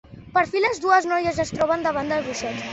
Per fi, les dues noies es troben davant del bruixot.